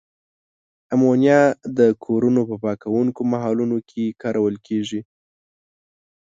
امونیا د کورونو په پاکوونکو محلولونو کې کارول کیږي.